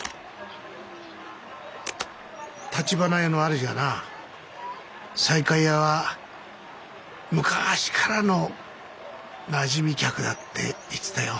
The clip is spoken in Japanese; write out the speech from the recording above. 立花屋の主がな西海屋は昔からのなじみ客だって言ってたよ。